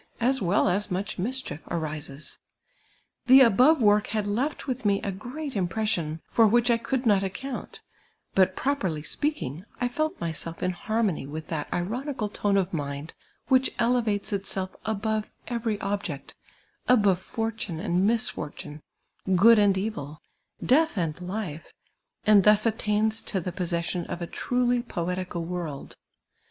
as well as miu'h mischief, arises. 'I'ho abuvt* work had lei"t with me a }::reat iniprc>ssion, for which I could not account, but proi^erly spi'akinj;, I felt myself in har mony with that ironical t(me of mind which elevates itself above every object, above fortimc and misfortune, p;ood and evil, death and Hfe, and thus attains to the possession of a truly poetical world.